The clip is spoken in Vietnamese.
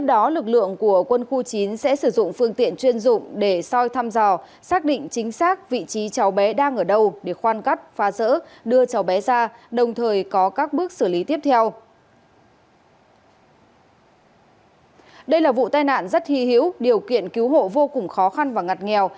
đây là vụ tai nạn rất hy hữu điều kiện cứu hộ vô cùng khó khăn và ngặt nghèo